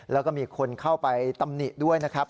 แล้วก็มีคนเข้าไปตำหนิด้วยนะครับ